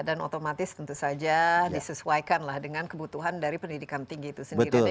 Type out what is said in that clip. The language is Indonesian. dan otomatis tentu saja disesuaikan dengan kebutuhan dari pendidikan tinggi itu sendiri